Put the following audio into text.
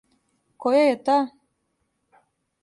Која је та?